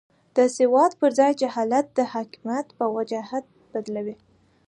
د سواد پر ځای جهالت د حاکمیت په وجاهت بدلوي.